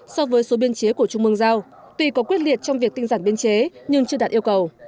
so với số biên chế của trung mương giao tuy có quyết liệt trong việc tinh giản biên chế nhưng chưa đạt yêu cầu